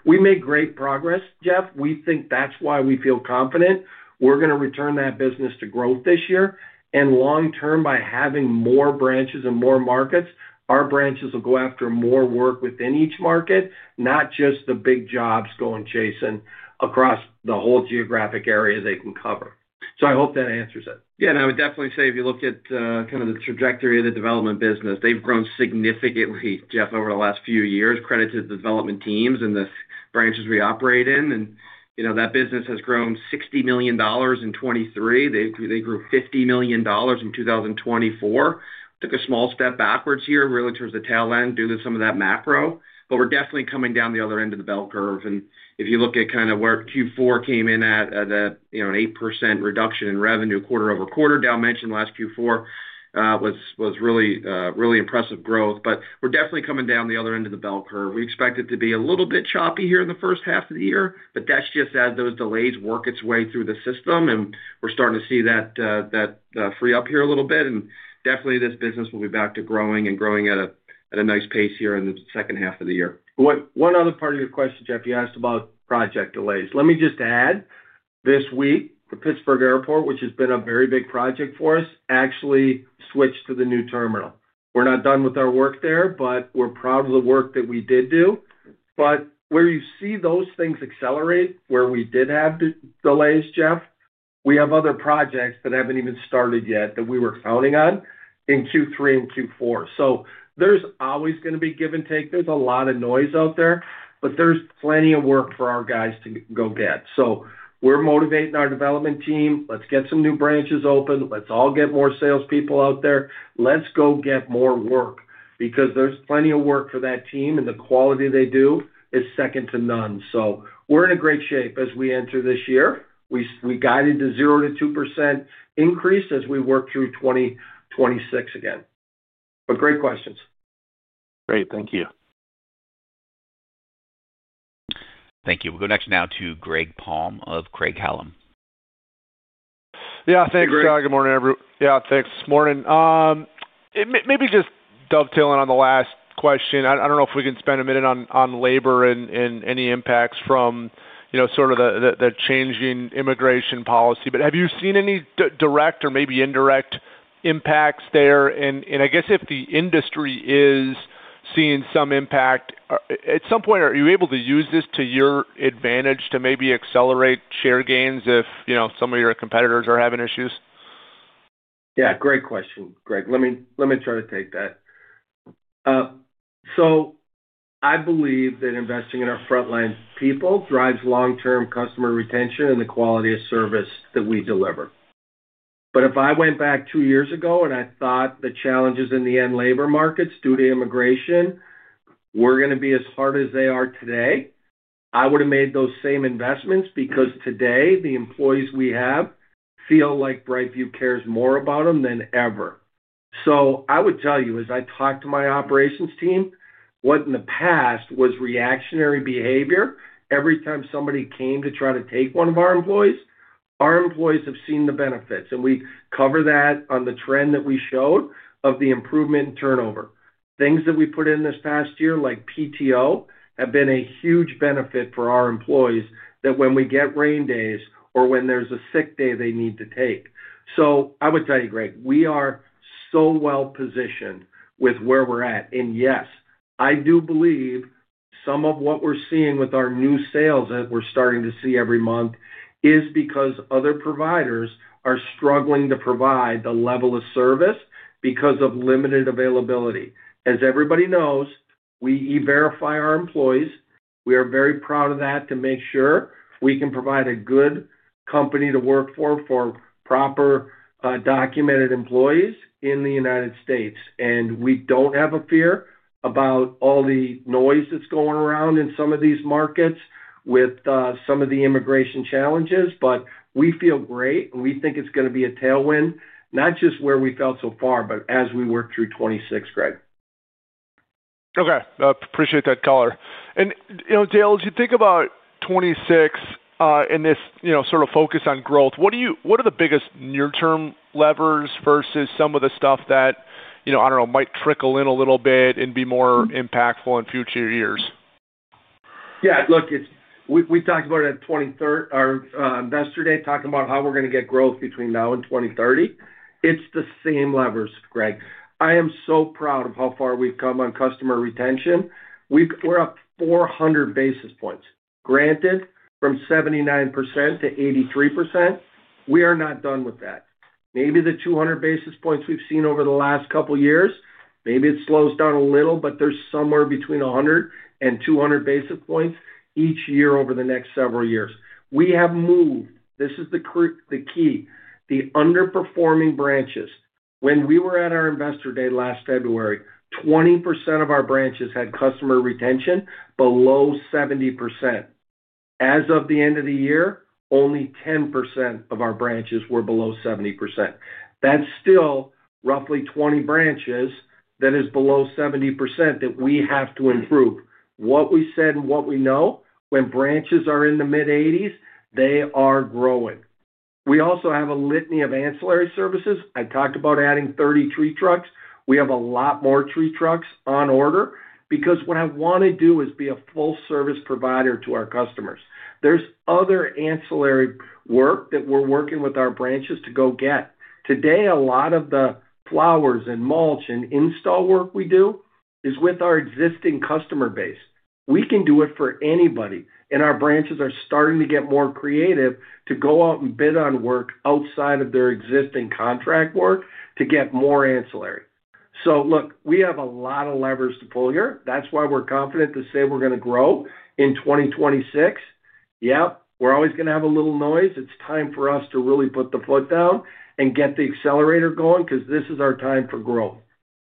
We make great progress, Jeff. We think that's why we feel confident. We're going to return that business to growth this year. Long term, by having more branches and more markets, our branches will go after more work within each market, not just the big jobs going chasing across the whole geographic area they can cover. I hope that answers it. Yeah. I would definitely say if you look at kind of the trajectory of the development business, they've grown significantly, Jeff, over the last few years, credit to the development teams and the branches we operate in. That business has grown $60 million in 2023. They grew $50 million in 2024. Took a small step backwards here, really towards the tail end due to some of that macro. We're definitely coming down the other end of the bell curve. If you look at kind of where Q4 came in at an 8% reduction in revenue quarter-over-quarter, Dale mentioned last Q4 was really impressive growth. We are definitely coming down the other end of the bell curve. We expect it to be a little bit choppy here in the first half of the year, but that is just as those delays work its way through the system. We are starting to see that free up here a little bit. This business will be back to growing and growing at a nice pace here in the second half of the year. One other part of your question, Jeff, you asked about project delays. Let me just add this week, the Pittsburgh Airport, which has been a very big project for us, actually switched to the new terminal. We're not done with our work there, but we're proud of the work that we did do. Where you see those things accelerate, where we did have delays, Jeff, we have other projects that haven't even started yet that we were counting on in Q3 and Q4. There's always going to be give and take. There's a lot of noise out there, but there's plenty of work for our guys to go get. We're motivating our development team. Let's get some new branches open. Let's all get more salespeople out there. Let's go get more work because there's plenty of work for that team, and the quality they do is second to none. We're in great shape as we enter this year. We guided the 0%-2% increase as we work through 2026 again. Great questions. Great. Thank you. Thank you. We'll go next now to Greg Palm of Craig-Hallum. Yeah. Thanks, Doug. Good morning, everyone. Yeah. Thanks. Good morning. Maybe just dovetailing on the last question. I don't know if we can spend a minute on labor and any impacts from sort of the changing immigration policy. Have you seen any direct or maybe indirect impacts there? I guess if the industry is seeing some impact, at some point, are you able to use this to your advantage to maybe accelerate share gains if some of your competitors are having issues? Yeah. Great question, Greg. Let me try to take that. I believe that investing in our frontline people drives long-term customer retention and the quality of service that we deliver. If I went back two years ago and I thought the challenges in the end labor markets due to immigration were going to be as hard as they are today, I would have made those same investments because today the employees we have feel like BrightView cares more about them than ever. I would tell you, as I talked to my operations team, what in the past was reactionary behavior, every time somebody came to try to take one of our employees, our employees have seen the benefits. We cover that on the trend that we showed of the improvement in turnover. Things that we put in this past year, like PTO, have been a huge benefit for our employees that when we get rain days or when there's a sick day they need to take. I would tell you, Greg, we are so well positioned with where we're at. Yes, I do believe some of what we're seeing with our new sales that we're starting to see every month is because other providers are struggling to provide the level of service because of limited availability. As everybody knows, we E-Verify our employees. We are very proud of that to make sure we can provide a good company to work for, for proper documented employees in the United States. We don't have a fear about all the noise that's going around in some of these markets with some of the immigration challenges. We feel great, and we think it's going to be a tailwind, not just where we felt so far, but as we work through 2026, Greg. Okay. Appreciate that color. Dale, as you think about 2026 and this sort of focus on growth, what are the biggest near-term levers versus some of the stuff that, I do not know, might trickle in a little bit and be more impactful in future years? Yeah. Look, we talked about it yesterday, talking about how we are going to get growth between now and 2030. It is the same levers, Greg. I am so proud of how far we have come on customer retention. We are up 400 basis points. Granted, from 79%-83%, we are not done with that. Maybe the 200 basis points we have seen over the last couple of years, maybe it slows down a little, but there is somewhere between 100 and 200 basis points each year over the next several years. We have moved. This is the key. The underperforming branches. When we were at our investor day last February, 20% of our branches had customer retention below 70%. As of the end of the year, only 10% of our branches were below 70%. That's still roughly 20 branches that is below 70% that we have to improve. What we said and what we know, when branches are in the mid-80s, they are growing. We also have a litany of ancillary services. I talked about adding 30 tree trucks. We have a lot more tree trucks on order because what I want to do is be a full-service provider to our customers. There's other ancillary work that we're working with our branches to go get. Today, a lot of the flowers and mulch and install work we do is with our existing customer base. We can do it for anybody. Our branches are starting to get more creative to go out and bid on work outside of their existing contract work to get more ancillary. Look, we have a lot of levers to pull here. That is why we are confident to say we are going to grow in 2026. Yep. We are always going to have a little noise. It is time for us to really put the foot down and get the accelerator going because this is our time for growth.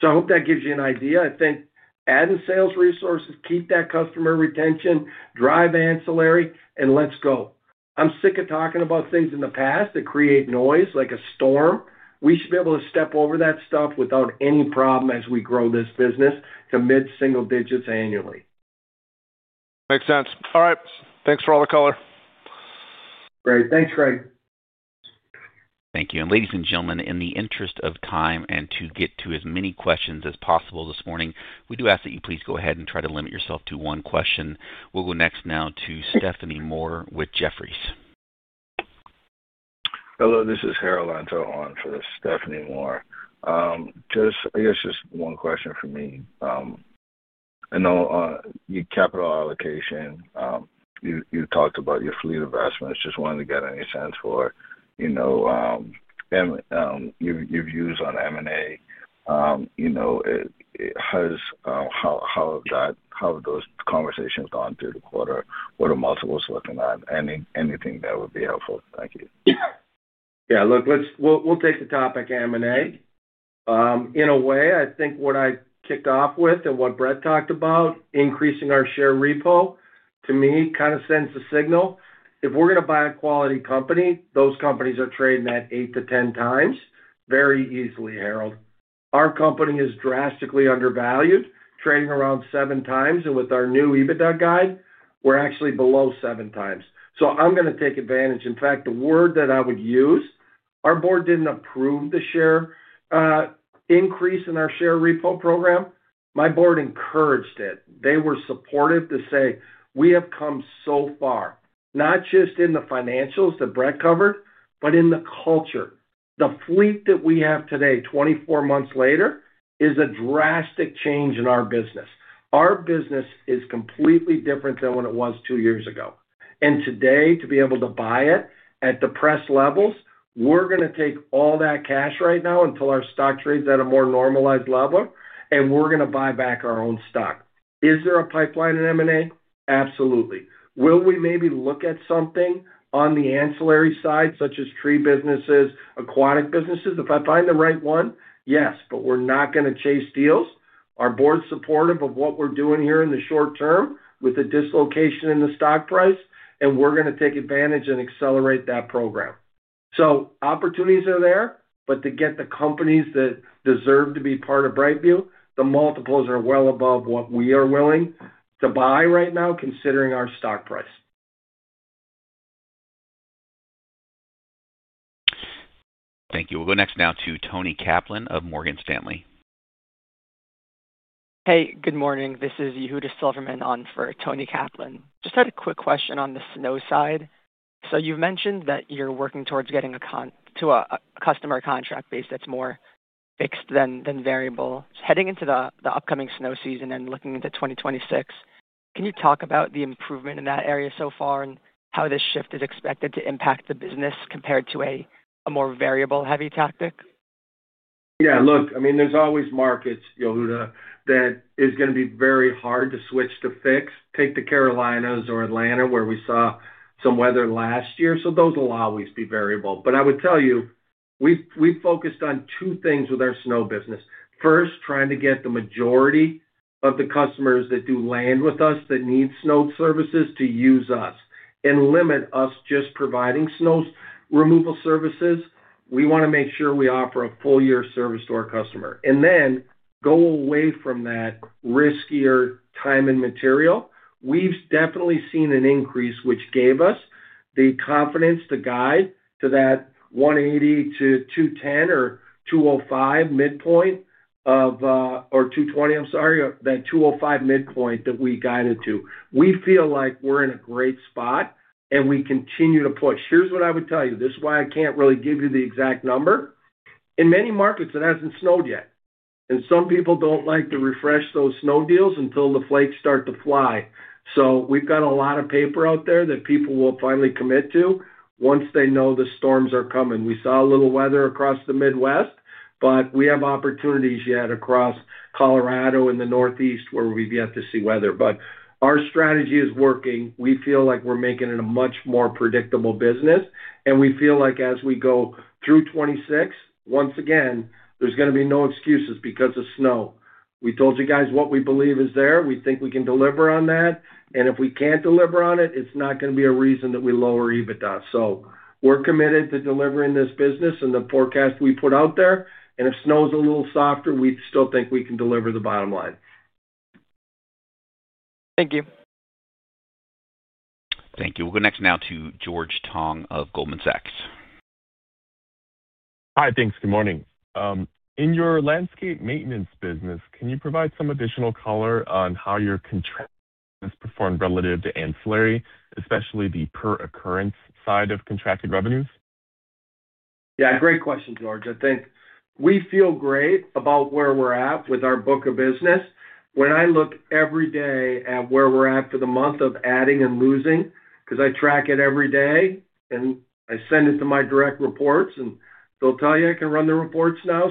I hope that gives you an idea. I think adding sales resources, keep that customer retention, drive ancillary, and let us go. I am sick of talking about things in the past that create noise like a storm. We should be able to step over that stuff without any problem as we grow this business to mid-single digits annually. Makes sense. All right. Thanks for all the color. Great. Thanks, Greg. Thank you. Ladies and gentlemen, in the interest of time and to get to as many questions as possible this morning, we do ask that you please go ahead and try to limit yourself to one question. We'll go next now to Stephanie Moore with Jefferies. Hello. This is Harold Antor for Stephanie Moore. I guess just one question for me. I know your capital allocation, you talked about your fleet investments. Just wanted to get any sense for your views on M&A. How have those conversations gone through the quarter? What are multiples looking at? Anything that would be helpful? Thank you. Yeah. Look, we'll take the topic M&A. In a way, I think what I kicked off with and what Brett talked about, increasing our share repo, to me, kind of sends the signal. If we're going to buy a quality company, those companies are trading at 8x-10x very easily, Harold. Our company is drastically undervalued, trading around 7x. With our new EBITDA guide, we're actually below 7x. I'm going to take advantage. In fact, the word that I would use, our board didn't approve the share increase in our share repo program. My board encouraged it. They were supportive to say, "We have come so far," not just in the financials that Brett covered, but in the culture. The fleet that we have today, 24 months later, is a drastic change in our business. Our business is completely different than what it was two years ago. Today, to be able to buy it at the press levels, we're going to take all that cash right now until our stock trades at a more normalized level, and we're going to buy back our own stock. Is there a pipeline in M&A? Absolutely. Will we maybe look at something on the ancillary side, such as tree businesses, aquatic businesses? If I find the right one, yes. We're not going to chase deals. Our board's supportive of what we're doing here in the short term with the dislocation in the stock price, and we're going to take advantage and accelerate that program. Opportunities are there, but to get the companies that deserve to be part of BrightView, the multiples are well above what we are willing to buy right now, considering our stock price. Thank you. We'll go next now to Toni Kaplan of Morgan Stanley. Hey. Good morning. This is Yehuda Silverman on for Tony Kaplan. Just had a quick question on the snow side. You've mentioned that you're working towards getting to a customer contract base that's more fixed than variable. Heading into the upcoming snow season and looking into 2026, can you talk about the improvement in that area so far and how this shift is expected to impact the business compared to a more variable-heavy tactic? Yeah. Look, I mean, there's always markets, Yehuda, that it's going to be very hard to switch to fixed. Take the Carolinas or Atlanta, where we saw some weather last year. Those will always be variable. I would tell you, we've focused on two things with our snow business. First, trying to get the majority of the customers that do land with us that need snow services to use us and limit us just providing snow removal services. We want to make sure we offer a full-year service to our customer. Then go away from that riskier time and material. We've definitely seen an increase, which gave us the confidence to guide to that 180-210 or 205 midpoint of or 220, I'm sorry, that 205 midpoint that we guided to. We feel like we're in a great spot, and we continue to push. Here's what I would tell you. This is why I can't really give you the exact number. In many markets, it hasn't snowed yet. Some people don't like to refresh those snow deals until the flakes start to fly. We have got a lot of paper out there that people will finally commit to once they know the storms are coming. We saw a little weather across the Midwest, but we have opportunities yet across Colorado and the Northeast where we have yet to see weather. Our strategy is working. We feel like we are making it a much more predictable business. We feel like as we go through 2026, once again, there is going to be no excuses because of snow. We told you guys what we believe is there. We think we can deliver on that. If we cannot deliver on it, it is not going to be a reason that we lower EBITDA. We are committed to delivering this business and the forecast we put out there. If snow is a little softer, we still think we can deliver the bottom line. Thank you. Thank you. We'll go next now to George Tong of Goldman Sachs. Hi, thanks. Good morning. In your landscape maintenance business, can you provide some additional color on how your contracts have performed relative to ancillary, especially the per-occurrence side of contracted revenues? Yeah. Great question, George. I think we feel great about where we're at with our book of business. When I look every day at where we're at for the month of adding and losing, because I track it every day and I send it to my direct reports, and they'll tell you I can run the reports now.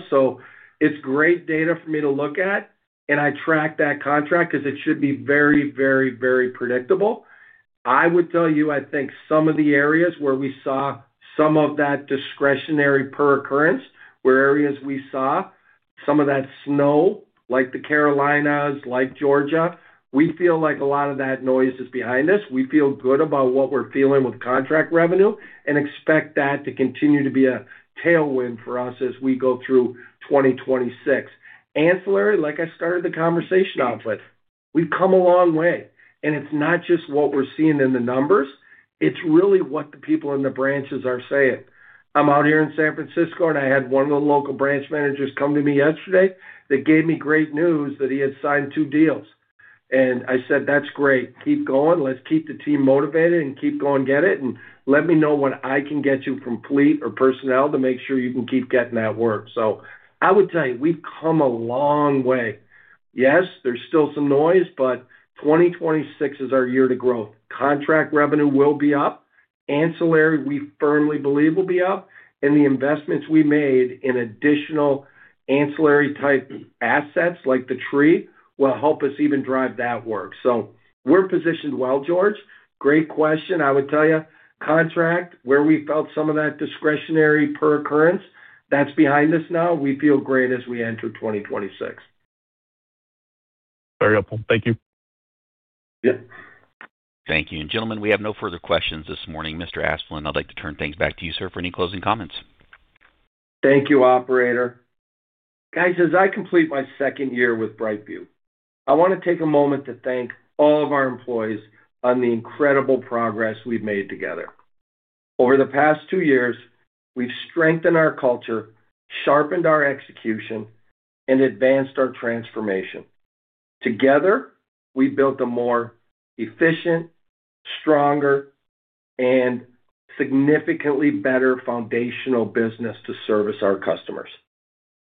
It is great data for me to look at, and I track that contract because it should be very, very, very predictable. I would tell you, I think some of the areas where we saw some of that discretionary per-occurrence, where areas we saw some of that snow, like the Carolinas, like Georgia, we feel like a lot of that noise is behind us. We feel good about what we're feeling with contract revenue and expect that to continue to be a tailwind for us as we go through 2026. Ancillary, like I started the conversation off with, we've come a long way. And it's not just what we're seeing in the numbers. It's really what the people in the branches are saying. I'm out here in San Francisco, and I had one of the local branch managers come to me yesterday that gave me great news that he had signed two deals. I said, "That's great. Keep going. Let's keep the team motivated and keep going and get it. Let me know what I can get you from fleet or personnel to make sure you can keep getting that work". I would tell you, we've come a long way. Yes, there's still some noise, but 2026 is our year to growth. Contract revenue will be up. Ancillary, we firmly believe will be up. The investments we made in additional ancillary-type assets, like the tree, will help us even drive that work. We are positioned well, George. Great question. I would tell you, contract, where we felt some of that discretionary per-occurrence, that's behind us now. We feel great as we enter 2026. Very helpful. Thank you. Yep. Thank you. Gentlemen, we have no further questions this morning. Mr. Asplund, I'd like to turn things back to you, sir, for any closing comments. Thank you, Operator. Guys, as I complete my second year with BrightView, I want to take a moment to thank all of our employees on the incredible progress we've made together. Over the past two years, we've strengthened our culture, sharpened our execution, and advanced our transformation. Together, we built a more efficient, stronger, and significantly better foundational business to service our customers.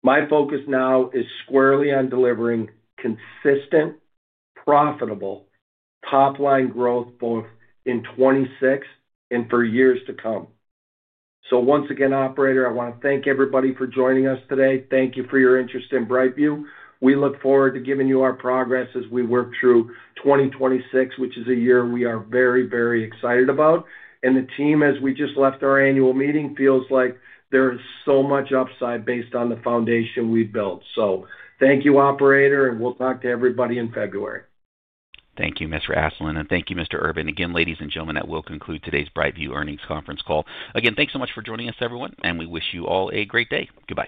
My focus now is squarely on delivering consistent, profitable, top-line growth both in 2026 and for years to come. Once again, Operator, I want to thank everybody for joining us today. Thank you for your interest in BrightView. We look forward to giving you our progress as we work through 2026, which is a year we are very, very excited about. The team, as we just left our annual meeting, feels like there is so much upside based on the foundation we've built. Thank you, Operator, and we'll talk to everybody in February. Thank you, Mr. Asplund. Thank you, Mr. Urban. Again, ladies and gentlemen, that will conclude today's BrightView earnings conference call. Again, thanks so much for joining us, everyone, and we wish you all a great day. Goodbye.